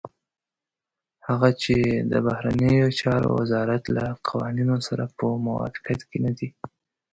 هغه چې د بهرنيو چارو وزارت له قوانينو سره په موافقت کې نه دي.